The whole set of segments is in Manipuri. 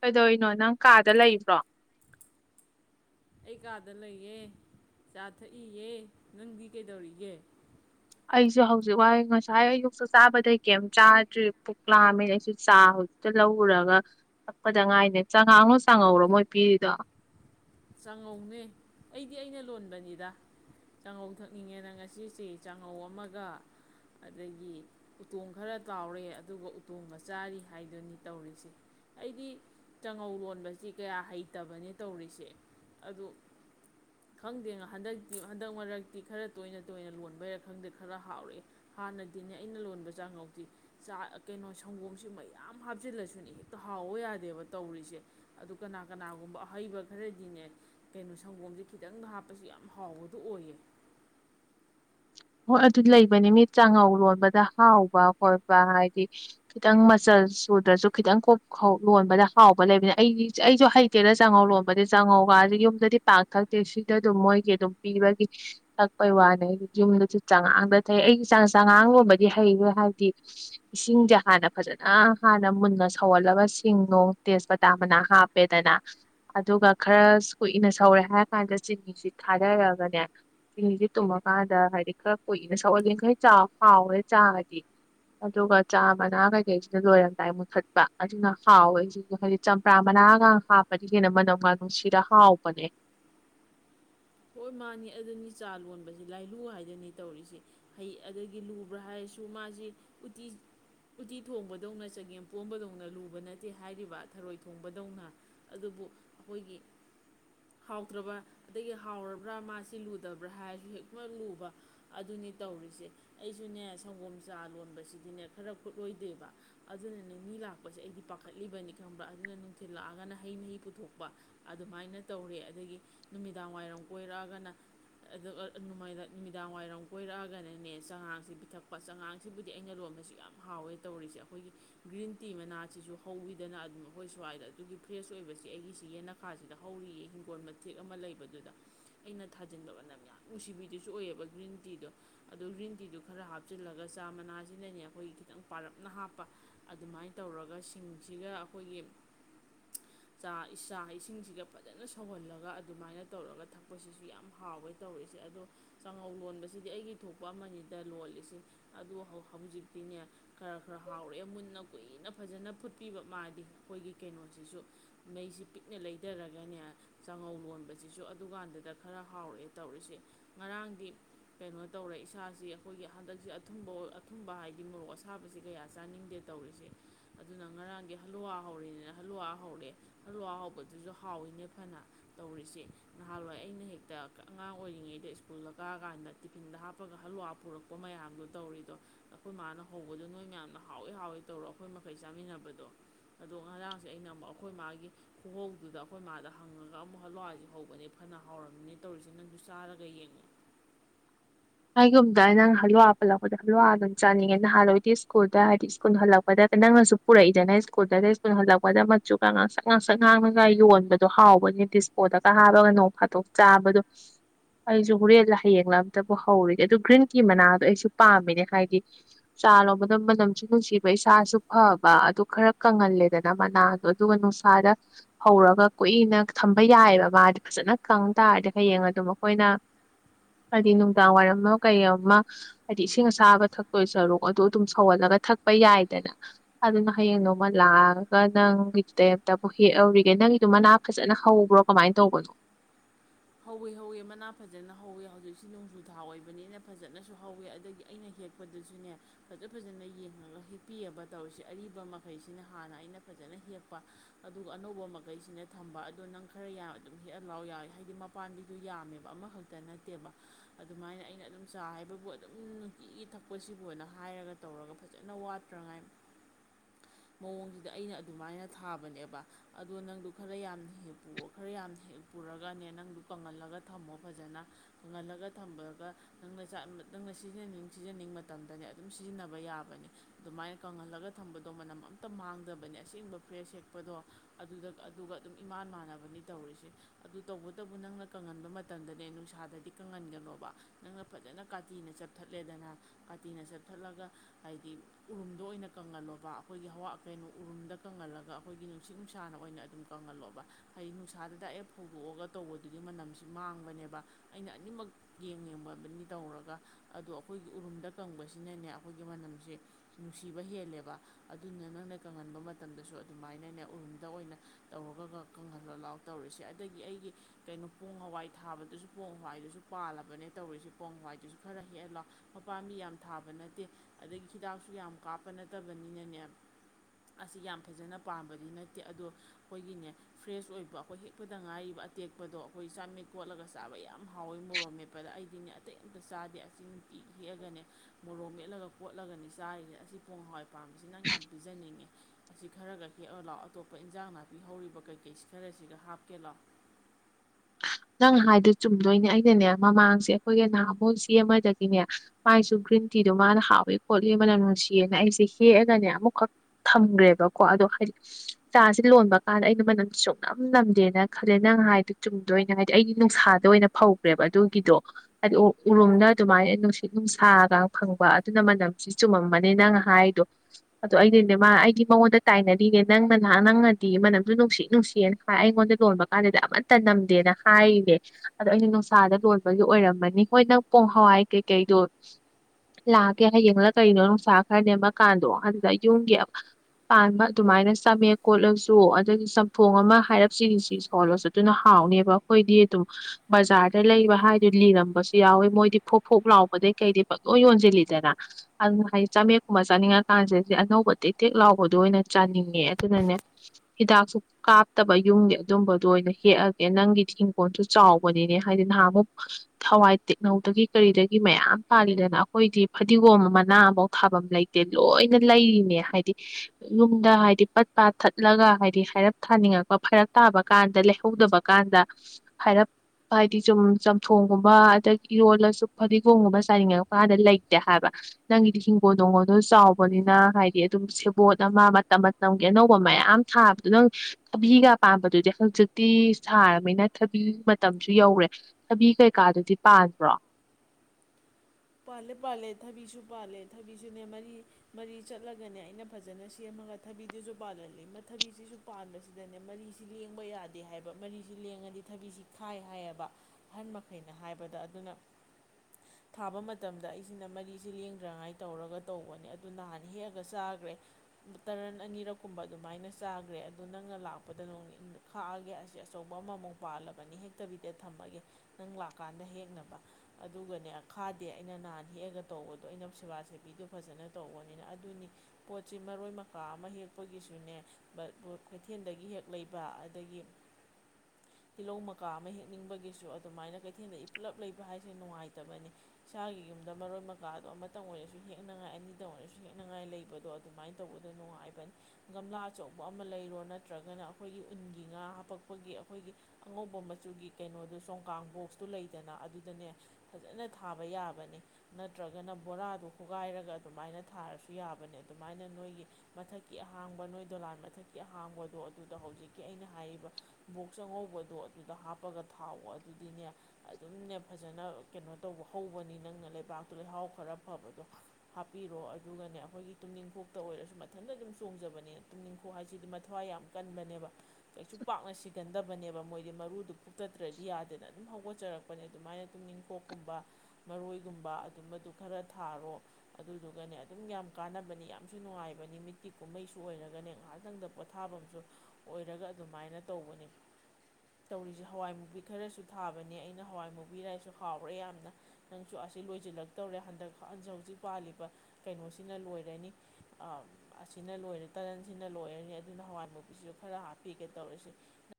ꯀꯩꯗꯧꯅꯣ ꯅꯪ ꯀꯥꯗ ꯂꯩꯕ꯭ꯔꯣ ꯑꯩ ꯀꯥꯗ ꯂꯩꯌꯦꯦ ꯆꯥ ꯊꯛꯏꯌꯦꯦ ꯅꯪꯗꯤ ꯀꯩꯗꯧꯔꯤꯒꯦ ꯑꯩꯁꯨ ꯍꯧꯖꯤꯛ ꯋꯥꯏ ꯉꯁꯥꯏ ꯑꯌꯣꯛꯁꯨ ꯆꯥꯕꯗꯒꯤꯩ ꯀꯩꯝ ꯆꯥꯗ꯭ꯔꯤ ꯄꯨꯛꯂꯥꯑꯝꯃꯤꯅ ꯑꯩꯁꯨ ꯆꯥ ꯍꯖꯤꯛꯇ ꯂꯧꯔꯨꯔꯒ ꯊꯛꯄꯗ ꯉꯥꯏꯅꯦ ꯆꯉꯥꯡꯅꯣ ꯆꯥꯍꯧꯔꯣ ꯃꯣꯏ ꯄꯤꯔꯤꯗꯣ ꯆꯥꯉꯧꯅꯦ ꯑꯩꯗꯤ ꯑꯩꯅ ꯂꯣꯟꯕꯅꯤꯗ ꯆꯥꯉꯧ ꯊꯛꯅꯤꯡꯉꯦꯅ ꯉꯁꯤꯁꯦ ꯆꯥꯛꯉꯧ ꯑꯃꯒ ꯑꯗꯒꯤ ꯎꯇꯣꯡ ꯈꯔ ꯇꯥꯎꯔꯦ ꯑꯗꯨꯒ ꯎꯇꯣꯡꯒ ꯆꯥꯔꯤ ꯍꯥꯏꯗꯨꯅꯤ ꯇꯧꯔꯤꯁꯦ ꯑꯩꯗꯤ ꯆꯥꯉꯧ ꯂꯣꯟꯕꯁꯤ ꯀꯌꯥ ꯍꯩꯇꯕꯅꯦ ꯇꯧꯔꯤꯁꯦ ꯑꯗꯨ ꯈꯪꯗꯦ ꯍꯟꯗꯛꯇꯤ ꯍꯟꯗꯛ ꯃꯔꯛꯇꯤ ꯈꯔ ꯇꯣꯏꯅ ꯇꯣꯏꯅ ꯂꯣꯟꯕꯩꯔꯥ ꯈꯪꯗꯦ ꯈꯔ ꯍꯥꯎꯔꯛꯑꯦ ꯍꯥꯟꯅꯗꯤꯅꯦ ꯑꯩꯅ ꯂꯣꯟꯕ ꯆꯥꯛꯉꯧꯗꯦ ꯆꯥꯛ ꯀꯩꯅꯣ ꯁꯪꯒꯣꯝꯁꯤ ꯃꯌꯥꯝ ꯍꯥꯞꯆꯤꯜꯂꯁꯨꯅꯦ ꯍꯦꯛꯇ ꯍꯥꯎꯕ ꯌꯥꯗꯦꯕ ꯇꯧꯔꯤꯁꯦ ꯑꯗꯨ ꯀꯅꯥ ꯀꯅꯥꯒꯨꯝꯕ ꯑꯍꯩꯕ ꯈꯔ ꯗꯤꯅꯦ ꯀꯩꯅꯣ ꯁꯪꯒꯣꯝꯁꯦ ꯈꯤꯇꯪ ꯍꯥꯞꯄꯁꯨ ꯌꯥꯝ ꯍꯥꯎꯕꯗꯣ ꯑꯣꯏꯌꯦ ꯍꯣꯏ ꯑꯗꯨ ꯂꯩꯕꯅꯤ ꯃꯤ ꯆꯥꯛꯉꯧ ꯂꯣꯟꯕꯗ ꯍꯥꯎꯕ ꯈꯣꯠꯄ ꯍꯥꯏꯗꯤ ꯈꯤꯇꯪ ꯃꯆꯜ ꯁꯨꯗ꯭ꯔꯁꯨ ꯈꯤꯇꯪ ꯀ ꯂꯣꯟꯕꯗ ꯍꯥꯎꯕ ꯂꯩꯕꯅꯦ ꯑꯩ ꯑꯩꯁꯨ ꯍꯩꯇꯦꯅ ꯆꯥꯛꯉꯧ ꯂꯣꯟꯕꯗ ꯆꯥꯛꯉꯧ ꯀꯦ ꯌꯨꯝꯗꯗꯤ ꯄꯥꯛ ꯊꯛꯇꯦ ꯁꯤꯗ ꯑꯗꯨꯝ ꯃꯣꯏꯒꯤ ꯑꯗꯨꯝ ꯄꯤꯕꯒꯤ ꯊꯛꯄꯩ ꯋꯥꯅꯦ ꯌꯨꯝꯗ ꯆꯉꯥꯡꯗ ꯊꯩ ꯑꯩꯒꯤ ꯆꯉꯥꯡꯒꯨꯝꯕꯗꯤ ꯍꯩꯔꯦ ꯍꯥꯏꯕꯗꯤ ꯏꯁꯤꯡꯁꯦ ꯍꯥꯟꯅ ꯐꯖꯅ ꯍꯥꯟꯅ ꯃꯨꯟꯅ ꯁꯧꯍꯜꯂꯕ ꯁꯤꯡꯅꯣ ꯇꯦꯖꯄꯇꯥ ꯃꯅꯥ ꯍꯥꯞꯄꯦꯗꯅ ꯑꯗꯨꯒ ꯈꯔ ꯀꯨꯏꯅ ꯁꯧꯔꯦ ꯍꯥꯏꯔ ꯀꯥꯟꯗ ꯆꯤꯅꯤꯁꯤ ꯊꯥꯗꯔꯒꯅꯦ ꯆꯤꯅꯤꯁꯤ ꯇꯨꯝꯃꯀꯥꯟꯗ ꯍꯥꯏꯗꯤ ꯈꯔ ꯀꯨꯏꯅ ꯁꯧꯍꯜꯂꯤꯈꯩ ꯆꯥꯎ ꯍꯥꯎꯔꯦ ꯆꯥꯒꯗꯤ ꯑꯗꯨꯒ ꯆꯥ ꯃꯅꯥ ꯀꯩꯀꯩꯁꯤꯅ ꯂꯣꯏꯔꯝꯗꯥꯏ ꯃꯨꯊꯠꯄ ꯑꯗꯨꯅ ꯍꯥꯎꯋꯦꯁꯤ ꯍꯥꯏꯗꯤ ꯆꯝꯄ꯭ꯔꯥ ꯃꯅꯥꯒ ꯍꯥꯞꯄꯗꯤ ꯍꯦꯟꯅ ꯃꯅꯝꯒ ꯅꯨꯡꯁꯤꯔ ꯍꯥꯎꯕꯅꯦ ꯍꯣꯏ ꯃꯥꯅꯤ ꯑꯗꯨꯅꯤ ꯆꯥ ꯂꯣꯟꯕꯕꯁꯤ ꯂꯥꯏꯂꯨ ꯍꯥꯏꯗꯅꯤ ꯇꯧꯔꯤꯁꯤ ꯍꯩ ꯑꯗꯒꯤ ꯂꯨꯕ꯭ꯔꯥ ꯍꯥꯏꯔꯁꯨ ꯃꯥꯁꯤ ꯎꯇꯤ ꯎꯇꯤ ꯊꯣꯡꯕꯗꯧꯅ ꯆꯒꯦꯝ ꯄꯣꯝꯕꯗꯧꯅ ꯂꯨꯕ ꯅꯠꯇꯦ ꯍꯥꯏꯔꯤꯕ ꯊꯔꯣꯏ ꯊꯣꯡꯕꯗꯧꯅ ꯑꯗꯨꯕꯨ ꯑꯩꯈꯣꯏꯒꯤ ꯍꯥꯎꯇ꯭ꯔꯕ ꯑꯗꯒꯤ ꯍꯥꯎꯔꯕ꯭ꯔꯥ ꯃꯥꯁꯤ ꯂꯨꯗꯕ꯭ꯔꯥ ꯍꯥꯏꯔꯁꯨ ꯍꯦꯛꯃꯛ ꯂꯨꯕ ꯑꯗꯨꯅꯤ ꯇꯧꯔꯤꯁꯦ ꯑꯩꯁꯨꯅꯦ ꯁꯪꯒꯣꯝ ꯆꯥ ꯂꯣꯟꯕꯁꯤꯗꯤꯅꯦ ꯈꯔ ꯈꯨꯠꯂꯣꯏꯗꯦꯕ ꯑꯗꯨꯅꯅꯦ ꯃꯤ ꯂꯥꯛꯄꯁꯦ ꯑꯩꯗꯤ ꯄꯥꯈꯠꯂꯤꯕꯅꯤ ꯈꯪꯕ꯭ꯔꯥ ꯑꯗꯨꯅ ꯅꯨꯡꯊꯤꯜ ꯂꯥꯛꯑꯒꯅ ꯍꯩ ꯃꯍꯤ ꯄꯨꯊꯣꯛꯄ ꯑꯗꯨꯃꯥꯏꯅ ꯇꯧꯔꯦ ꯑꯗꯒꯤ ꯅꯨꯃꯤꯗꯥꯡ ꯋꯥꯏꯔꯝ ꯀꯣꯏꯔꯛꯑꯒꯅ ꯑꯗꯨꯒ ꯅꯨꯃꯤꯗꯥꯡ ꯋꯥꯏꯔꯝ ꯀꯣꯏꯔꯛꯑꯒꯅꯅꯦ ꯆꯉꯥꯡꯁꯤ ꯄꯤꯊꯛꯄ ꯆꯉꯥꯡꯁꯤꯕꯨꯗꯤ ꯑꯩꯅ ꯂꯣꯟꯕꯁꯤ ꯌꯥꯝ ꯍꯥꯎꯋꯦ ꯇꯧꯔꯤꯁꯦ ꯑꯩꯈꯣꯏꯒꯤ ꯒ꯭ꯔꯤꯟ ꯇꯤ ꯃꯅꯥꯁꯤꯁꯨ ꯍꯧꯋꯤꯗꯅ ꯑꯗꯨꯝ ꯑꯩꯈꯣꯏ ꯁ꯭ꯋꯥꯏꯗ ꯑꯗꯨꯒꯤ ꯐ꯭ꯔꯦꯁ ꯑꯣꯏꯕꯁꯤ ꯑꯩꯒꯤ ꯁꯤ ꯌꯦꯟꯅꯈꯥꯁꯤꯗ ꯍꯧꯔꯤꯌꯦ ꯍꯤꯡꯒꯣꯜ ꯃꯊꯦꯛ ꯑꯃ ꯂꯩꯕꯗꯨꯗ ꯑꯩꯅ ꯊꯥꯖꯤꯟꯕꯅ ꯌꯥꯝ ꯅꯨꯡꯁꯤꯕꯤꯗꯨꯁꯨ ꯑꯣꯏꯑꯦꯕ ꯒ꯭ꯔꯤꯟ ꯇꯤꯗꯣ ꯑꯗꯨ ꯒ꯭ꯔꯤꯟ ꯇꯤꯗꯨ ꯈꯔ ꯍꯥꯞꯆꯤꯜꯂꯒ ꯆꯥ ꯃꯅꯥꯁꯤꯅꯅꯦ ꯑꯩꯈꯣꯏꯒꯤ ꯈꯤꯇꯪ ꯄꯥꯔꯞꯅ ꯍꯥꯞꯄ ꯑꯗꯨꯃꯥꯏꯅ ꯇꯧꯔꯒ ꯁꯤꯡꯁꯤꯒ ꯑꯩꯈꯣꯏꯒꯤꯥ ꯏꯁꯤꯡꯁꯤꯒ ꯐꯖꯅ ꯁꯧꯍꯜꯂꯒ ꯑꯗꯨꯃꯥꯏꯅ ꯇꯧꯔꯒ ꯊꯛꯄꯁꯤꯁꯨ ꯌꯥꯝ ꯍꯥꯎꯋꯦ ꯇꯧꯔꯛꯏꯁꯦ ꯑꯗꯣ ꯆꯥꯛꯉꯧ ꯂꯣꯟꯕꯁꯤꯗꯤ ꯑꯩꯒꯤ ꯊꯣꯛꯄ ꯑꯃꯅꯤꯗ ꯂꯣꯜꯂꯤꯁꯦ ꯑꯗꯨ ꯍꯧꯖꯤꯛꯇꯤꯅꯦ ꯈꯔ ꯈꯔ ꯍꯥꯎꯔꯦ ꯃꯨꯟꯅ ꯀꯨꯏꯅ ꯐꯖꯅ ꯐꯨꯠꯄꯤꯕ ꯃꯥꯗꯤ ꯑꯩꯈꯣꯏꯒꯤ ꯀꯩꯅꯣꯁꯤꯁꯨ ꯃꯩꯁꯤ ꯄꯤꯛꯅ ꯂꯩꯊꯔꯒꯅꯦ ꯆꯥꯉꯧ ꯂꯣꯟꯕꯁꯤꯁꯨ ꯗꯨꯀꯥꯟꯗꯨꯗ ꯈꯔ ꯍꯥꯎꯔꯛꯑꯦ ꯇꯧꯔꯤꯁꯦ ꯉꯔꯥꯡꯗꯤ ꯀꯩꯅꯣ ꯇꯧꯔꯦ ꯏꯁꯥꯁꯤ ꯑꯩꯈꯣꯏꯒꯤ ꯍꯟꯗꯛꯁꯤ ꯑꯊꯨꯝꯕ ꯑꯊꯨꯝꯕ ꯍꯥꯏꯗꯤ ꯃꯣꯔꯣꯛ ꯑꯁꯥꯕꯁꯤ ꯀꯌꯥ ꯆꯥꯅꯤꯡꯗꯦ ꯇꯧꯔꯤꯁꯦ ꯑꯗꯨꯅ ꯉꯔꯥꯡꯗꯤ ꯍꯂꯨꯋꯥ ꯍꯧꯔꯤꯅꯤꯅ ꯍꯜꯂꯨꯋꯥ ꯍꯧꯔꯦ ꯍꯂꯨꯋꯥ ꯍꯧꯕꯗꯨꯁꯨ ꯍꯥꯎꯏꯤꯅꯦ ꯐꯅ ꯇꯧꯔꯤꯁꯦ ꯅꯍꯥꯟꯋꯥꯏ ꯑꯩꯅ ꯍꯦꯛꯇ ꯑꯉꯥꯡ ꯑꯣꯏꯔꯤꯉꯩꯗ ꯁ꯭ꯀꯨꯜꯗ ꯀꯛꯑꯀꯥꯟꯗ ꯇꯤꯐꯤꯟꯗ ꯍꯥꯞꯄꯒ ꯍꯜꯨꯋꯥ ꯄꯨꯔꯛꯄ ꯃꯌꯥꯝꯗꯣ ꯇꯧꯔꯤꯗꯣ ꯑꯩꯈꯣꯏ ꯃꯥꯅ ꯍꯧꯕꯗꯣ ꯅꯣꯏ ꯃꯌꯥꯝꯅ ꯍꯥꯎꯋꯦ ꯍꯥꯎꯋꯦ ꯇꯧꯔꯣ ꯑꯩꯈꯣꯏ ꯃꯈꯩ ꯆꯥꯃꯤꯟꯅꯕꯗꯣ ꯑꯗꯣ ꯉꯔꯥꯡꯁꯦ ꯑꯩꯅ ꯑꯃꯨꯛ ꯑꯩꯈꯣꯏ ꯃꯥꯒꯤ ꯈꯨꯍꯧꯗꯨꯗ ꯑꯩꯈꯣꯏ ꯃꯥꯗ ꯍꯪꯉꯒ ꯑꯃꯨꯛ ꯍꯜꯋꯥꯁꯤ ꯍꯧꯧꯕ ꯩ ꯐꯅ ꯍꯥꯎꯔꯕꯝꯅꯤꯅꯦ ꯇꯧꯔꯤꯁꯦ ꯅꯪꯁꯨ ꯆꯥꯔꯒ ꯌꯦꯡꯉ ꯑꯩꯒꯨꯝꯗ ꯅꯪ ꯍꯜꯨꯋꯥ ꯄꯜꯂꯛꯄꯗꯣ ꯍꯜꯨꯋꯥ ꯑꯗꯨꯝ ꯆꯥꯅꯤꯡꯉꯦ ꯅꯍꯥꯟꯋꯥꯏꯗꯤ ꯁ꯭ꯀꯨꯜꯗ ꯍꯥꯏꯗꯤ ꯁ꯭ꯀꯨꯜ ꯍꯜꯂꯛꯄꯗ ꯅꯪꯅꯁꯨ ꯄꯨꯔꯛꯏꯗꯅ ꯁ꯭ꯀꯨꯜꯗꯒ ꯁ꯭ꯀꯨꯜ ꯍꯜꯂꯛꯄꯗ ꯃꯆꯨꯒ ꯉꯥꯡꯁꯛ ꯉꯥꯡꯁꯛ ꯉꯥꯡꯉꯒ ꯌꯣꯟꯕꯗꯣ ꯍꯥꯎꯕꯅꯦ ꯗꯤꯁꯄꯣꯗꯒ ꯍꯥꯞꯕꯒ ꯅꯣꯡ ꯐꯥꯠꯇꯣꯛ ꯆꯥꯕꯗꯣ ꯑꯩꯁꯨ ꯍꯣꯔꯦꯟ ꯍꯌꯦꯡꯂꯗ ꯍꯧꯔꯔꯤꯗꯤ ꯑꯗꯨ ꯒ꯭ꯔꯤꯟ ꯀꯤ ꯃꯅꯥꯗꯣ ꯑꯩꯁꯨ ꯄꯥꯝꯃꯤꯅꯦ ꯍꯥꯏꯗꯤ ꯆꯥ ꯂꯣꯟꯕꯗ ꯃꯅꯝꯁꯨ ꯅꯨꯡꯁꯤꯕ ꯏꯁꯥꯁꯨ ꯐꯕ ꯑꯗꯨ ꯈꯔ ꯀꯪꯍꯜꯂꯦꯗꯅ ꯃꯅꯥꯗꯣ ꯑꯗꯨꯒ ꯅꯨꯡꯁꯥꯗ ꯍꯧꯔꯒ ꯀꯨꯏꯅ ꯊꯝꯕ ꯌꯥꯏꯕ ꯃꯥꯗꯤ ꯐꯖꯅ ꯀꯪ ꯇꯥꯔꯗꯤ ꯍꯌꯦꯡ ꯑꯗꯨꯣ ꯃꯈꯣꯏꯅ ꯍꯥꯏꯗꯤ ꯅꯨꯡꯗꯥꯡ ꯋꯥꯏꯔꯝ ꯑꯃ ꯀꯩ ꯑꯃ ꯍꯥꯏꯗꯤ ꯏꯁꯤꯡ ꯑꯁꯥꯕ ꯊꯛꯇꯣꯏ ꯁꯔꯨꯛ ꯑꯗꯨ ꯑꯗꯨꯝ ꯁꯧꯍꯜꯂꯒ ꯊꯛꯄ ꯌꯥꯏꯗꯅ ꯑꯗꯨꯅ ꯍꯌꯦꯡ ꯅꯣꯡꯃ ꯂꯥꯛꯑꯒ ꯅꯪꯒꯤ ꯇꯩꯝꯇꯕꯨ ꯍꯦꯛꯍꯧꯔꯤꯒꯦ ꯅꯪꯒꯤꯗꯨ ꯃꯅꯥ ꯐꯖꯅ ꯍꯧꯕ꯭ꯔꯣ ꯀꯃꯥꯏꯅ ꯇꯧꯕꯅꯣ ꯍꯧꯋꯦ ꯍꯧꯋꯦ ꯃꯅꯥ ꯐꯖꯅ ꯍꯧꯋꯦ ꯍꯧꯖꯤꯛꯁꯤ ꯅꯣꯡꯖꯨ ꯊꯥ ꯑꯣꯏꯕꯅꯤꯅ ꯐꯖꯅꯁꯨ ꯍꯧꯋꯦ ꯑꯗꯒꯤ ꯑꯩꯅ ꯍꯦꯛꯄꯗꯨꯁꯨꯅꯦ ꯐꯖ ꯐꯖꯅ ꯌꯦꯡꯉꯒ ꯍꯦꯛꯄꯤꯑꯕ ꯇꯧꯔꯤꯁꯦ ꯑꯔꯤꯕ ꯃꯈꯩꯁꯤꯅ ꯍꯥꯟꯅ ꯑꯩꯅ ꯐꯖꯅ ꯍꯦꯛꯄ ꯑꯗꯨꯒ ꯑꯅꯧꯕ ꯃꯈꯩꯁꯤꯅ ꯊꯝꯕ ꯑꯗꯣ ꯅꯪ ꯈꯔ ꯑꯗꯨꯝ ꯍꯦꯛꯍ ꯂꯥꯎ ꯌꯥꯎꯋꯦ ꯍꯥꯏꯗꯤ ꯄꯥꯝꯕꯤꯗꯨꯣ ꯌꯥꯝꯃꯦꯕ ꯑꯃꯈꯛꯇ ꯅꯠꯇꯦꯕ ꯑꯗꯨꯃꯥꯏꯅ ꯑꯩꯅ ꯑꯗꯨꯝ ꯆꯥ ꯍꯥꯏꯕꯕꯨ ꯑꯗꯨꯝ ꯅꯨꯡꯇꯒꯤ ꯊꯛꯄꯁꯤꯕꯨꯅ ꯍꯥꯏꯔꯒ ꯇꯧꯔꯒ ꯐꯖꯅ ꯋꯥꯠꯇ꯭ꯔꯉꯥꯏ ꯃꯑꯣꯡꯗꯨꯗ ꯑꯩꯅ ꯑꯗꯨꯃꯥꯏꯅ ꯊꯥꯕꯅꯦꯕ ꯑꯗꯣ ꯅꯪꯗ ꯈꯔ ꯌꯥꯝꯅꯦꯛꯄ ꯈꯔ ꯌꯥꯝꯅ ꯍꯦꯛꯄꯔꯒꯅꯦ ꯅꯪ ꯀꯪꯍꯜꯂꯒ ꯊꯝꯃꯣ ꯐꯖꯅ ꯀꯪꯍꯜꯂꯒ ꯊꯝꯕꯒ ꯅꯪꯅ ꯅꯪꯅ ꯁꯤꯖꯟꯅꯅꯤꯡꯕ ꯃꯇꯝꯗꯅꯦ ꯑꯗꯨꯝ ꯁꯤꯖꯤꯟꯅꯕ ꯌꯥꯕꯅꯤ ꯑꯗꯨꯃꯥꯏꯅ ꯀꯪꯍꯜꯂꯒ ꯊꯝꯕꯗꯣ ꯃꯅꯝ ꯑꯝꯇ ꯃꯥꯡꯗꯕꯅꯦ ꯑꯁꯦꯡꯕ ꯐ꯭ꯔꯦꯁ ꯍꯦꯛꯄꯗꯣ ꯑꯗꯨꯗ ꯑꯗꯨꯒ ꯑꯗꯨꯝ ꯏꯃꯥꯟ ꯃꯥꯟꯅꯕꯅꯤ ꯇꯧꯔꯤꯁꯦ ꯑꯗꯨ ꯇꯧꯕꯇꯕꯨ ꯅꯪꯅ ꯀꯪꯍꯟꯕ ꯃꯇꯝꯗꯅꯦ ꯅꯨꯡꯁꯥꯗꯗꯤ ꯀꯪꯍꯟꯒꯅꯣꯕ ꯅꯪꯅ ꯐꯖꯅ ꯀꯥꯇꯤꯅ ꯆꯠꯊꯠꯂꯦꯗꯅ ꯀꯥꯇꯤꯅ ꯆꯠꯊꯠꯂꯒ ꯍꯥꯏꯗꯤ ꯎꯔꯨꯝꯗ ꯑꯣꯏꯅ ꯀꯪꯍꯜꯂꯣꯕ ꯑꯩꯈꯣꯏꯒꯤ ꯍꯋꯥ ꯀꯩꯅꯣ ꯎꯔꯨꯝꯗ ꯀꯪꯍꯜꯂꯒ ꯑꯩꯈꯣꯏꯒꯤ ꯅꯨꯡꯁꯤꯠ ꯅꯨꯡꯁꯥꯅ ꯑꯣꯏꯅ ꯑꯗꯨꯝ ꯀꯪꯍꯜꯂꯣꯕ ꯍꯥꯏꯗꯤ ꯅꯨꯡꯁꯥꯗꯗ ꯑꯦꯞ ꯐꯧꯗꯣꯛꯑꯒ ꯇꯧꯕꯗ ꯑꯗꯨꯒꯤ ꯃꯅꯝꯁꯤ ꯃꯥꯡꯕꯅꯦꯕ ꯑꯩꯅ ꯑꯅꯤꯃꯛ ꯌꯦꯡ ꯌꯦꯡꯕꯅꯤ ꯇꯧꯔꯒ ꯑꯗꯣ ꯑꯩꯈꯣꯏꯒꯤ ꯎꯔꯨꯝꯗ ꯀꯪꯕꯁꯤꯅꯅꯦ ꯑꯩꯈꯣꯏꯒꯤ ꯃꯅꯝꯁꯦ ꯅꯨꯡꯁꯤꯕ ꯍꯦꯜꯂꯦꯕ ꯑꯗꯨꯅ ꯅꯪꯅ ꯀꯪꯍꯟꯕ ꯃꯇꯝꯗꯁꯨ ꯑꯗꯨꯃꯥꯏꯅꯅꯦ ꯎꯔꯨꯝꯗ ꯑꯣꯏꯅ ꯇꯧꯔꯒ ꯀꯪꯍꯜꯂꯣ ꯂꯥꯎ ꯇꯧꯔꯤꯁꯦ ꯑꯗꯒꯤ ꯑꯩꯒꯤ ꯀꯩꯅꯣ ꯄꯣꯡ ꯍꯋꯥꯏ ꯊꯥꯕꯗꯁꯨ ꯄꯣꯡ ꯍꯋꯥꯏꯗꯨꯁꯨ ꯄꯥꯜꯂꯕꯅꯦ ꯇꯧꯔꯤꯁꯦ ꯄꯣꯡ ꯍꯋꯥꯏꯗꯨꯁꯨ ꯈꯔ ꯍꯦꯜꯂꯣ ꯃꯄꯥꯝꯕꯤ ꯌꯥꯝ ꯊꯥꯕ ꯅꯠꯇꯦ ꯑꯗꯒꯤ ꯍꯤꯗꯥꯛꯁꯨ ꯌꯥꯝ ꯀꯥꯞꯄ ꯅꯠꯇꯕꯅꯤꯅꯅꯦ ꯑꯁꯤ ꯌꯥꯝ ꯐꯖꯅ ꯄꯥꯝꯕꯗꯤ ꯅꯠꯇꯦ ꯑꯗꯣ ꯑꯩꯈꯣꯏꯒꯤꯅꯦ ꯐ꯭ꯔꯦꯁ ꯑꯣꯏꯕ ꯑꯩꯈꯣꯏ ꯍꯦꯛꯄꯗ ꯉꯥꯏꯔꯤꯕ ꯑꯇꯦꯛ ꯆꯛꯄꯗꯣ ꯑꯩꯈꯣꯏ ꯆꯥꯃꯤꯠ ꯀꯣꯠꯂꯒ ꯆꯥꯕ ꯌꯥꯝ ꯍꯥꯎꯋꯤ ꯃꯣꯔꯣ ꯃꯦꯠꯄꯗ ꯑꯩꯗꯤꯅꯦ ꯑꯇꯩ ꯑꯝꯇ ꯆꯥꯗꯦꯤꯡ ꯏ ꯌꯦꯦꯛꯑꯒꯅꯦ ꯃꯣꯔꯣꯡ ꯌꯦꯠꯂꯒ ꯄꯣꯠꯂꯒꯅꯤ ꯆꯥꯔꯤꯁꯦ ꯑꯁꯤ ꯄꯣꯡ ꯍꯥꯎꯏ ꯄꯥꯝꯕꯁꯤ ꯅꯪ ꯌꯥꯝ ꯄꯤꯖꯅꯤꯡꯉꯦ ꯑꯁꯤ ꯈꯔꯒ ꯍꯦꯛꯑ ꯂꯥꯛꯑꯣ ꯑꯇꯣꯞꯄ ꯏꯟꯖꯥꯡ ꯅꯥꯄꯤ ꯍꯧꯔꯤꯕ ꯀꯩꯀꯩꯁꯤ ꯈꯔꯁꯤꯒ ꯍꯥꯞꯀꯦ ꯂꯥꯛꯑꯣ ꯅꯪ ꯍꯥꯏꯗꯨ ꯆꯨꯝꯗꯣꯏꯅꯦ ꯑꯩꯅꯅꯦ ꯃꯃꯥꯡꯁꯦ ꯑꯩꯈꯣꯏꯒꯤ ꯅꯍꯥꯃꯣꯣꯟ ꯁꯤ ꯑꯃꯗꯒꯤꯅꯦ ꯃꯥꯏꯁꯨ ꯒ꯭ꯔꯤꯟ ꯇꯤꯗꯣ ꯃꯥꯅ ꯍꯥꯎꯏ ꯈꯣꯠꯂꯤ ꯃꯅꯝ ꯅꯨꯡꯁꯤꯌꯦꯅ ꯑꯩꯁꯦ ꯍꯦꯛꯑꯒꯅꯦ ꯑꯃꯨꯛꯈꯛ ꯊꯝꯈ꯭ꯔꯦꯕꯀꯣ ꯑꯗꯣ ꯍꯥꯏꯗꯤ ꯆꯥꯁꯦ ꯂꯣꯟꯕ ꯀꯥꯟꯗ ꯑꯩꯅ ꯃꯅꯝ ꯁꯨꯡꯅꯝ ꯅꯝꯗꯦꯅ ꯈꯜꯂꯦ ꯅꯪ ꯍꯥꯏꯗꯨꯣ ꯑꯗꯨꯗ ꯑꯣꯏꯅ ꯍꯥꯏꯗꯤ ꯑꯩꯗꯤ ꯅꯨꯡꯁꯥꯗ ꯑꯣꯏꯅ ꯐꯧꯈ꯭ꯔꯦꯕ ꯑꯗꯨꯒꯤꯗꯣ ꯍꯥꯏꯗꯤ ꯎꯔꯨꯝꯅ ꯑꯗꯨꯃꯥꯏꯅ ꯅꯨꯡꯁꯤꯠ ꯅꯨꯡꯁꯥꯒ ꯐꯪꯕ ꯑꯗꯨꯅ ꯃꯅꯝꯁꯤ ꯆꯨꯝꯃꯝꯃꯅꯦ ꯅꯪ ꯍꯥꯏꯗꯣ ꯑꯗꯨꯗꯣ ꯑꯩꯗꯤꯅꯦ ꯃꯥ ꯑꯩꯒꯤ ꯃꯉꯣꯟꯗ ꯇꯥꯏꯅꯔꯤꯅꯦ ꯅꯪꯅ ꯅꯍ ꯅꯪꯅꯗꯤ ꯃꯅꯝꯁꯨ ꯅꯨꯡꯁꯤꯠ ꯅꯨꯡꯁꯤꯅ ꯍꯥꯏ ꯑꯩꯉꯣꯟꯗ ꯂꯣꯟꯕ ꯀꯥꯟꯗꯗꯤ ꯑꯃꯠꯇꯝ ꯦꯅ ꯍꯥꯏꯔꯤꯅꯦ ꯑꯗꯣ ꯑꯩꯅ ꯅꯨꯡꯁꯥꯗ ꯂꯣꯟꯕꯒꯤ ꯑꯣꯏꯔꯝꯃꯅꯤ ꯍꯣꯏ ꯅꯪ ꯄꯣꯡ ꯍꯋꯥꯏ ꯀꯩꯀꯩꯗꯣ ꯂꯥꯛꯒꯦ ꯍꯌꯦꯡꯂ ꯀꯩꯅꯣ ꯅꯨꯡꯁꯥ ꯈꯔ ꯅꯦꯝꯃꯀꯥꯟꯗꯣ ꯑꯗꯨꯗ ꯌꯨꯝꯒꯤ ꯄꯥꯟꯕ ꯑꯗꯨꯃꯥꯏꯅ ꯆꯝꯃꯦ ꯈꯣꯠꯂꯁꯨ ꯑꯗꯨꯗꯒꯤ ꯆꯝꯊꯣꯡ ꯑꯃ ꯍꯥꯏꯔꯞꯁꯤꯅꯤ ꯁꯤꯁꯨ ꯈꯣꯠꯂꯁꯨ ꯑꯗꯨꯅ ꯍꯥꯎꯅꯦꯕ ꯑꯩꯈꯣꯏꯗꯤ ꯑꯗꯨꯝ ꯕꯖꯥꯔꯗ ꯂꯩꯕ ꯍꯥꯏꯗꯨ ꯂꯤꯔꯝꯕꯁꯨ ꯌꯥꯎꯋꯦ ꯃꯣꯏꯗꯤ ꯐꯣꯛ ꯐꯣꯛ ꯂꯥꯎꯕꯗꯩ ꯀꯩꯗꯩ ꯄ ꯂꯣꯏ ꯌꯣꯟꯁꯤꯜꯂꯤꯗꯅ ꯑꯗꯨꯅ ꯍꯥꯏꯗꯤ ꯆꯥꯃꯦꯠꯀꯨꯝꯕ ꯆꯥꯅꯤꯡꯉꯀꯥꯟꯁꯤꯗ ꯑꯅꯧꯕ ꯇꯦꯛ ꯇꯦꯛ ꯂꯥꯎꯕꯗꯣ ꯑꯣꯏꯅ ꯆꯥꯅꯤꯡꯉꯦ ꯑꯗꯨꯅꯅꯦ ꯍꯤꯗꯥꯛꯁꯨ ꯀꯥꯞꯇꯕ ꯌꯨꯝꯗꯤ ꯑꯗꯨꯝꯕꯗꯣ ꯑꯣꯏꯅ ꯍꯦꯛꯑꯒꯦ ꯅꯪꯒꯤ ꯍꯥꯏꯗꯤ ꯏꯤꯡꯈꯣꯜꯁꯨ ꯆꯥꯎꯕꯅꯤꯅꯦ ꯍꯥꯏꯗꯤ ꯅꯍꯥꯟ ꯑꯃꯨꯛ ꯊꯋꯥꯏ ꯇꯦꯛꯅꯧꯗꯒꯤ ꯀꯔꯤꯗꯒꯤ ꯃꯌꯥꯝ ꯄꯥꯜꯂꯤꯗꯅ ꯑꯩꯈꯣꯏꯗꯤ ꯐꯗꯤꯒꯣꯝ ꯃꯅꯥ ꯑꯃꯥꯎ ꯊꯥꯐꯝ ꯂꯩꯇꯦ ꯂꯣꯏꯅ ꯂꯩꯔꯤꯅꯦ ꯍꯥꯏꯗꯤ ꯌꯨꯝꯗ ꯍꯥꯏꯗꯤ ꯄꯠ ꯄꯥꯠ ꯊꯠꯂꯒ ꯍꯥꯏꯗꯤ ꯍꯥꯏꯔꯞ ꯊꯥꯅꯤꯡꯉꯛꯄ ꯐꯔꯛ ꯇꯥꯕ ꯀꯥꯟꯗ ꯂꯩꯍꯧꯗꯕ ꯀꯥꯟꯗ ꯍꯥꯏꯔꯞ ꯍꯥꯏꯗꯤ ꯁꯨꯝ ꯆꯝꯊꯣꯡꯒꯨꯝꯕ ꯑꯗꯒꯤ ꯏꯔꯣꯜꯂꯁꯨ ꯐꯗꯤꯒꯣꯝꯒꯨꯝꯕ ꯆꯥꯏꯅꯤꯡꯉꯛ ꯀꯥꯟꯗ ꯂꯩꯇꯦ ꯍꯥꯏꯕ ꯅꯪꯒꯤꯗꯤ ꯍꯤꯡꯒꯣꯜ ꯅꯣꯡꯒꯣꯜꯗꯣ ꯆꯥꯎꯕꯅꯤꯅ ꯍꯥꯏꯗꯤ ꯑꯗꯨꯝ ꯁꯦꯕꯣꯠ ꯑꯃ ꯃꯇꯝ ꯃꯇꯝꯒꯤ ꯑꯅꯧꯕ ꯃꯌꯥꯝ ꯊꯥꯕꯗꯣ ꯅꯪ ꯊꯕꯤꯒ ꯄꯥꯟꯕꯗꯨꯗꯤ ꯍꯧꯖꯤꯛꯇꯤ ꯁꯥꯔꯒ ꯅꯤꯅ ꯊꯕꯤ ꯃꯇꯝꯁꯨ ꯌꯧꯔꯦ ꯊꯕꯤ ꯀꯩꯀꯥꯗꯨꯗꯤ ꯄꯥꯟꯕ꯭ꯔꯣ ꯄꯥꯜꯂꯦ ꯄꯥꯜꯂꯦ ꯊꯕꯤꯁꯨ ꯄꯥꯜꯂꯦ ꯊꯕꯤꯁꯨꯅꯦ ꯃꯔꯤ ꯃꯔꯤ ꯆꯠꯂꯒꯅꯦ ꯑꯩꯅ ꯐꯖꯅ ꯁꯦꯝꯃꯒ ꯊꯕꯤꯗꯨꯁꯨ ꯄꯥꯜꯍꯜꯂꯤ ꯊꯕꯤꯁꯤꯁꯨ ꯄꯥꯟꯕꯁꯤꯗꯅꯦ ꯃꯔꯤꯁꯤ ꯂꯦꯡꯕ ꯌꯥꯗꯦ ꯍꯥꯏꯕ ꯃꯔꯤꯁꯤ ꯂꯦꯡꯉꯗꯤ ꯊꯕꯤꯁꯤ ꯈꯥꯏ ꯍꯥꯏꯌꯦꯕ ꯑꯍꯟ ꯃꯈꯩꯅ ꯍꯥꯏꯕꯗ ꯑꯗꯨꯅ ꯊꯥꯕ ꯃꯇꯝꯗ ꯑꯩꯁꯤꯅ ꯃꯔꯤꯁꯤ ꯂꯦꯡꯗꯅꯉꯥꯏ ꯇꯧꯔꯒ ꯇꯧꯕꯅꯦ ꯑꯗꯨ ꯅꯍꯥꯟ ꯍꯦꯛꯑꯒ ꯆꯥꯈ꯭ꯔꯦ ꯇꯔꯟ ꯑꯅꯤꯔꯛꯀꯨꯝꯕ ꯑꯗꯨꯃꯥꯏꯅ ꯆꯥꯈ꯭ꯔꯦ ꯑꯗꯨ ꯅꯪꯅ ꯂꯥꯛꯄꯗ ꯈꯥꯛꯑꯒꯦ ꯑꯁꯤꯁꯦ ꯑꯆꯧꯕ ꯑꯃꯃꯨꯛ ꯄꯥꯜꯂꯕꯅꯤ ꯍꯦꯛꯇꯕꯤꯗ ꯊꯝꯃꯒꯦ ꯅꯪ ꯂꯥꯛꯀꯥꯟꯗ ꯍꯦꯛꯅꯕ ꯑꯗꯨꯒꯅꯦ ꯈꯥꯗꯦ ꯑꯩꯅ ꯅꯍꯥꯟ ꯍꯦꯛꯑꯒ ꯇꯧꯕꯗꯣ ꯑꯩꯅ ꯁꯦꯕꯥ ꯁꯦꯕꯤꯗꯣ ꯐꯖꯅ ꯇꯧꯕꯅꯤꯅ ꯑꯗꯨꯅꯤ ꯄꯣꯠꯁꯤ ꯃꯔꯣꯏ ꯃꯀꯥ ꯑꯃ ꯍꯦꯛꯄꯒꯤꯁꯨꯅꯦ ꯀꯩꯊꯦꯜꯗꯒꯤ ꯍꯦꯛ ꯂꯩꯕ ꯑꯗꯒꯤ ꯇꯤꯜꯍꯧ ꯃꯀꯥ ꯑꯃ ꯍꯦꯛꯅꯤꯡꯕꯒꯤꯁꯨ ꯑꯗꯨꯃꯥꯏꯅ ꯀꯩꯊꯦꯜꯗ ꯄꯨꯜꯂꯞ ꯂꯩꯕ ꯍꯥꯏꯁꯦ ꯅꯨꯡꯉꯥꯏꯇꯕꯅꯤ ꯏꯁꯥꯒꯤ ꯌꯨꯝꯗ ꯃꯔꯣꯏ ꯃꯀꯥꯗꯣ ꯑꯃꯇꯪ ꯑꯣꯏꯔꯁꯨ ꯍꯦꯛꯅꯉꯥꯏ ꯑꯅꯤꯇꯪ ꯑꯣꯏꯔꯁꯨ ꯍꯦꯛꯅꯉꯥꯏ ꯂꯩꯕꯗꯣ ꯑꯗꯨꯃꯥꯏꯅ ꯇꯧꯕꯗ ꯅꯨꯡꯉꯥꯏꯕꯅꯤ ꯒꯝꯂꯥ ꯑꯆꯧꯕ ꯑꯃ ꯂꯩꯔꯣ ꯅꯠꯇ꯭ꯔꯒꯅ ꯑꯩꯈꯣꯏꯒꯤ ꯎꯟꯒꯤ ꯉꯥ ꯍꯥꯄꯛꯄꯒꯤ ꯑꯩꯈꯣꯏꯒꯤ ꯑꯉꯧꯕ ꯃꯆꯨꯒꯤ ꯀꯩꯅꯣꯗꯨꯣ ꯆꯣꯡꯒꯥꯡ ꯕꯣꯛꯁꯇꯨ ꯂꯩꯗꯅ ꯑꯗꯨꯗꯅꯦ ꯐꯖꯅ ꯊꯥꯕ ꯌꯥꯕꯅꯦ ꯅꯠꯇ꯭ꯔꯒꯅ ꯕꯣꯔꯥꯗ‌ꯣ ꯍꯣꯒꯥꯏꯔꯒ ꯑꯗꯨꯃꯥꯏꯅ ꯊꯥꯔꯁꯨ ꯌꯥꯕꯅꯦ ꯑꯗꯨꯃꯥꯏꯅ ꯅꯣꯏꯒꯤ ꯃꯊꯛꯀꯤ ꯑꯍꯥꯡꯕ ꯅꯣꯏ ꯗꯣꯂꯥꯟ ꯃꯊꯛꯀꯤ ꯑꯍꯥꯡꯕꯗꯣ ꯑꯗꯨꯗ ꯍꯧꯖꯤꯛꯀꯤ ꯑꯩꯅ ꯍꯥꯏꯔꯤꯕ ꯕꯣꯛꯁ ꯑꯉꯧꯕꯗꯣ ꯑꯗꯨꯗ ꯍꯥꯞꯄꯒ ꯊꯥꯎꯑꯣ ꯑꯗꯨꯗꯤꯅꯦ ꯑꯗꯨꯝꯅꯦ ꯐꯖꯅ ꯀꯩꯅꯣ ꯇꯧꯕ ꯍꯧꯕꯅꯤ ꯅꯪꯅ ꯂꯩꯕꯥꯛꯇꯣ ꯂꯩꯍꯥꯎ ꯈꯔ ꯐꯕꯗꯣ ꯍꯥꯞꯄꯤꯔꯣ ꯑꯗꯨꯒꯅꯦ ꯑꯩꯈꯣꯏꯒꯤ ꯇꯨꯝꯅꯤꯡꯈꯣꯛꯇ ꯑꯣꯏꯔꯁꯨ ꯃꯊꯟꯇ ꯑꯗꯨꯝ ꯆꯣꯡꯖꯕꯅꯦ ꯇꯨꯝꯅꯤꯡꯈꯣꯛ ꯍꯥꯏꯁꯤꯗꯤ ꯃꯊ꯭ꯋꯥꯏ ꯌꯥꯝ ꯀꯟꯕꯅꯦꯕ ꯀꯩꯁꯨ ꯄꯥꯛꯅꯁꯤ ꯒꯟꯗꯕꯅꯦꯕ ꯃꯣꯏꯗꯤ ꯃꯔꯨꯗꯨ ꯄꯨꯨꯛꯇꯠꯇ꯭ꯔꯗꯤ ꯌꯥꯗꯅ ꯑꯗꯨꯝ ꯍꯧꯒꯠꯆꯔꯛꯄꯅꯦ ꯑꯗꯨꯃꯥꯏꯅ ꯑꯗꯨꯝ ꯇ‌ꯣꯛꯅꯤꯡꯀꯣꯛ ꯀꯨꯝꯕ ꯃꯔꯣꯏꯒꯨꯝꯕ ꯑꯗꯨꯝꯕꯗꯨ ꯈꯔ ꯊꯥꯔꯣ ꯑꯗꯨꯗꯨꯒꯅꯦ ꯑꯗꯨꯝ ꯌꯥꯝ ꯀꯥꯟꯅꯕꯅꯤ ꯌꯥꯝꯁꯨ ꯅꯨꯡꯉꯥꯏꯕꯅꯤ ꯃꯤꯠꯀꯤ ꯀꯨꯝꯍꯩꯁꯨ ꯑꯣꯏꯔꯒꯅꯦ ꯉꯥꯏꯍꯥꯛꯇꯪꯗ ꯄꯣꯊꯥꯐꯝꯁꯨ ꯑꯣꯏꯔꯒ ꯑꯗꯨꯃꯥꯏꯅ ꯇꯧꯕꯅꯦ ꯇꯧꯔꯤꯁꯦ ꯍꯋꯥꯏ ꯃꯨꯕꯤ ꯈꯔꯁꯨ ꯊꯥꯕꯅꯦ ꯑꯩꯅ ꯍꯋꯥꯏ ꯃꯨꯕꯤꯔꯁꯨ ꯍꯥꯎꯕ ꯍꯧꯔꯦ ꯌꯥꯝꯅ ꯅꯪꯁꯨ ꯑꯁꯤ ꯂꯣꯏꯁꯤꯜꯂꯛꯇꯧꯔꯦ ꯍꯟꯗꯛ ꯍꯧꯖꯤꯛ ꯍꯧꯖꯤꯛ ꯄꯥꯜꯂꯤꯕ ꯀꯩꯅꯣꯁꯤꯅ ꯂꯣꯏꯔꯅꯤ ꯑꯁꯤꯅ ꯂꯣꯏꯔꯅꯤ ꯇꯔꯟꯁꯤꯅ ꯂꯣꯏꯔꯅꯤ ꯑꯗꯨꯅ ꯍꯋꯥꯏ ꯃꯨꯕꯤꯁꯤꯁꯨ ꯈꯔ ꯍꯥꯞꯄꯤꯒꯦ ꯇꯧꯔꯤꯁ‌ꯦ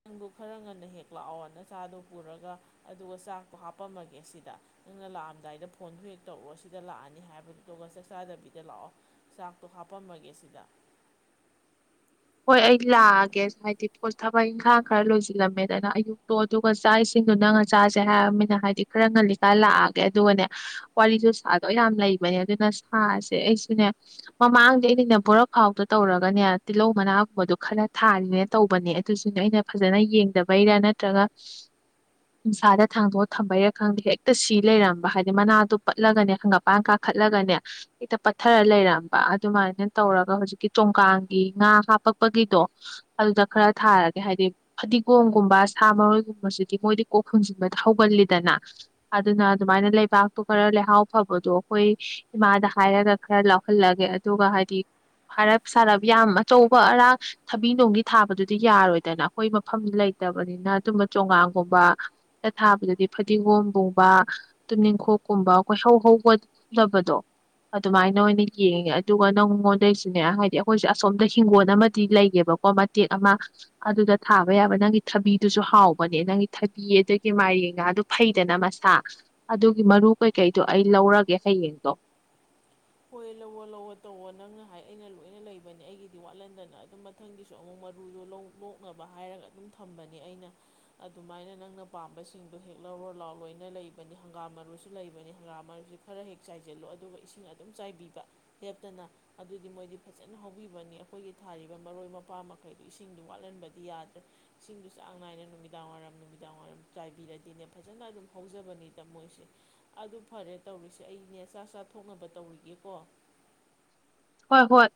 ꯅꯪꯗ‌ꯣ ꯈꯔ ꯉꯟꯅ ꯍꯦꯛ ꯂꯥꯛꯑꯣꯅ ꯅꯆꯥꯗꯣ ꯄꯨꯔꯒ ꯑꯗꯨꯒ ꯆꯥꯛꯇꯣ ꯍꯥꯞꯄꯝꯃꯒꯦ ꯁꯤꯗ ꯅꯪꯅ ꯂꯥꯛꯑꯝꯗꯥꯏꯗ ꯐꯣꯟꯗꯣ ꯍꯦꯛ ꯇꯧꯔꯛꯑꯣ ꯁꯤꯗ ꯂꯥꯛꯑꯅꯤ ꯍꯥꯏꯕꯗꯨꯗꯨꯒ ꯆꯥꯛ ꯆꯥꯗꯕꯤꯗ ꯂꯥꯛꯑꯣ ꯆꯥꯛꯇꯣ ꯍꯥꯞꯄꯝꯃꯒꯦ ꯁꯤꯗ ꯍꯣꯏ ꯑꯩ ꯂꯥꯛꯑꯒꯦ ꯍꯥꯏꯗꯤ ꯄꯣ ꯊꯕꯛ ꯏꯪꯈꯥꯡ ꯈꯔ ꯂꯣꯏꯁꯤꯜꯂꯝꯃꯦꯗꯅ ꯑꯌꯨꯛꯇꯣ ꯑꯗꯨꯒ ꯆꯥꯛ ꯏꯁꯤꯡꯗꯨ ꯅꯪ ꯉ ꯆꯥꯁꯦ ꯍꯥꯏꯔꯕꯝꯃꯤꯅ ꯍꯥꯏꯗꯤ ꯈꯔ ꯉꯜꯂꯤꯀꯥꯟ ꯂꯥꯛꯑꯒꯦ ꯑꯗꯨꯒꯅꯦ ꯋꯥꯔꯤꯁꯨ ꯁꯥꯗꯣ ꯌꯥꯝ ꯂꯩꯕꯅꯦ ꯑꯗꯨꯅ ꯁꯥꯁꯦ ꯑꯩꯁꯨꯅꯦ ꯃꯃꯥꯡꯗ ꯑꯩꯅꯅꯦ ꯕꯣꯔꯥꯈꯥꯎꯗ ꯇꯧꯔꯒꯅꯦ ꯇꯤꯜꯍꯧ ꯃꯅꯥꯒꯨꯝꯕꯗꯣ ꯈꯔ ꯊꯥꯔꯤꯅꯦ ꯇꯧꯕꯅꯦ ꯑꯗꯨꯁꯨꯅꯦ ꯑꯩꯅ ꯐꯖꯅ ꯌꯦꯡꯗꯕꯩꯔꯥ ꯅꯠꯇ꯭ꯔꯒ ꯅꯨꯡꯁꯥꯗ ꯊꯥꯡꯗꯣꯛꯑ ꯊꯝꯕꯩꯔꯥ ꯈꯪꯗꯦ ꯍꯦꯛꯇ ꯁꯤ ꯂꯩꯔꯝꯕ ꯍꯥꯏꯗꯤ ꯃꯅꯥꯗꯣ ꯄꯠꯂꯒꯅꯦ ꯍꯪꯒꯄꯥꯟ ꯀꯥꯈꯠꯂꯒꯅꯦ ꯍꯦꯛꯇ ꯄꯠꯊꯔ ꯂꯩꯔꯝꯕ ꯑꯗꯨꯃꯥꯏꯅ ꯇꯧꯔꯒ ꯍꯧꯖꯤꯛꯀꯤ ꯆ‌ꯣꯡꯒꯥꯡꯒꯤ ꯉꯥ ꯍꯥꯞꯄꯛꯄꯒꯤꯗꯣ ꯑꯗꯨꯗ ꯈꯔ ꯊꯥꯔꯒꯦ ꯍꯥꯏꯗꯤ ꯐꯗꯤꯒꯣꯝꯒꯨꯝꯕ ꯁꯥ ꯃꯔꯣꯏꯒꯨꯝꯕꯁꯤꯗꯤ ꯃꯣꯏꯗꯤ ꯀꯣꯛ ꯍꯨꯟꯖꯤꯟꯕꯗ ꯍꯧꯒꯜꯂꯤꯗꯅ ꯑꯗꯨꯅ ꯑꯗꯨꯃꯥꯏꯅ ꯂꯩꯕꯥꯛꯇꯣ ꯈꯔ ꯂꯩꯍꯥꯎ ꯐꯕꯗꯣ ꯑꯩꯈꯣꯏ ꯏꯃꯥꯗ ꯍꯥꯏꯔꯒ ꯈꯔ ꯂꯥꯎꯍꯜꯂꯒꯦ ꯑꯗꯨꯒ ꯍꯥꯏꯗꯤ ꯍꯥꯏꯔꯞ ꯁꯥꯔꯞ ꯌꯥꯝ ꯑꯆꯧꯕ ꯑꯔꯥꯡ ꯊꯕꯤ ꯅꯨꯡꯗꯤ ꯊꯥꯕꯗꯨꯗꯤ ꯌꯥꯔꯣꯏꯗꯅ ꯑꯩꯈꯣꯏ ꯃꯐꯝ ꯂꯩꯇꯕꯅꯤꯅ ꯑꯗꯨꯝꯕ ꯆꯣꯡꯒꯥꯡꯒꯨꯝꯕ ꯊꯥꯕꯗꯗꯤ ꯐꯗꯤꯒꯣꯝꯒꯨꯝꯕ ꯇꯨꯝꯅꯤꯡꯈꯣꯛꯀꯨꯝꯕ ꯀ‌ꯣꯏꯍꯧ ꯍꯧꯒꯗꯕꯗꯣ ꯑꯗꯨꯃꯥꯏꯅ ꯑꯣꯏꯅ ꯌꯦꯡꯉꯦ ꯑꯗꯨꯒ ꯅꯪꯉꯣꯟꯗꯩꯁꯤꯅꯦ ꯍꯥꯏꯗꯤ ꯑꯩꯈꯣꯏꯁꯦ ꯁꯣꯝꯗ ꯍꯤꯡꯒꯣꯜ ꯑꯃꯗꯤ ꯂꯩꯌ‌ꯦꯕꯀꯣ ꯃꯇꯦꯛ ꯑꯃ ꯑꯗꯨꯗ ꯊꯥꯕ ꯌꯥꯕ ꯅꯪꯒꯤ ꯊꯕꯤꯗꯨꯁꯨ ꯍꯥꯎꯕꯅꯦ ꯅꯪꯒꯤ ꯊꯕꯤ ꯑꯗꯒꯤ ꯃꯥꯏꯔ‌ꯦꯟꯒꯗꯨ ꯐꯩꯗꯅ ꯃꯁꯥ ꯑꯗꯨꯒꯤ ꯃꯔꯨ ꯀꯩꯀꯩꯗꯣ ꯑꯩ ꯂꯧꯔꯒꯦ ꯍꯌꯦꯡꯗꯣ ꯍꯣꯏ ꯂꯧꯑꯣ ꯂꯧꯋꯣ ꯇꯧꯋꯣ ꯅꯪꯅ ꯍꯥꯏ ꯑꯩꯅ ꯂꯣꯏꯅ ꯂꯩꯕꯅꯦ ꯑꯩꯒꯤꯗꯤ ꯋꯥꯠꯍꯟꯗꯅ ꯑꯗꯨꯝ ꯃꯊꯪꯒꯤꯁꯨ ꯑꯃꯨꯛ ꯃꯔꯨꯗꯣ ꯂꯧ ꯂꯣꯛꯅꯕ ꯍꯥꯏꯔꯒ ꯑꯗꯨꯝ ꯊꯝꯕꯅꯦ ꯑꯩꯅ ꯑꯗꯨꯃꯥꯏꯅ ꯅꯪꯅ ꯄꯥꯝꯕꯁꯤꯡꯗꯣ ꯍꯦꯛ ꯂꯧꯔꯣ ꯂꯥꯎꯑꯣ ꯂꯣꯏꯅ ꯂꯩꯕꯅꯤ ꯍꯪꯒꯥꯝ ꯃꯔꯨꯁꯨ ꯂꯩꯕꯅꯤ ꯍꯪꯒꯥꯝ ꯃꯔꯨꯁꯤ ꯈꯔ ꯍꯦꯛ ꯆꯥꯏꯁꯤꯜꯂꯣ ꯑꯗꯨꯒ ꯏꯁꯤꯡ ꯑꯗꯨꯝ ꯆꯥꯏꯕꯤꯕ ꯂꯦꯞꯇꯅ ꯑꯗꯨꯗꯤ ꯃꯣꯏꯗꯤ ꯐꯖꯅ ꯍꯧꯕꯤꯕꯅꯤ ꯑꯩꯈꯣꯏꯒꯤ ꯊꯥꯔꯤꯕ ꯃꯔꯣꯏ ꯃꯄꯥꯡ ꯃꯈꯩꯗꯣ ꯏꯁꯤꯡꯗꯨ ꯋꯥꯠꯍꯟꯕꯗꯤ ꯌꯥꯗ꯭ꯔꯦ ꯏꯁꯤꯡꯗꯨ ꯆꯥꯡ ꯅꯥꯏꯅ ꯅꯨꯃꯤꯗꯥꯡ ꯋꯥꯏꯔꯝ ꯅꯨꯃꯤꯗꯥꯡ ꯋꯥꯏꯔꯝ ꯆꯥꯏꯕꯤꯔꯗꯤꯅꯦ ꯐꯖꯅ ꯑꯗꯨꯝ ꯍꯧꯖꯕꯅꯤꯗ ꯃꯣꯏꯁꯦ ꯑꯗꯨ ꯐꯔꯦ ꯇꯧꯔꯤꯁꯦ ꯑꯩꯅꯦ ꯆꯥꯛ ꯆꯥꯊꯣꯛꯅꯕ ꯇꯧꯔꯤꯒꯦꯀꯣ ꯍꯣꯏ ꯍꯣꯏ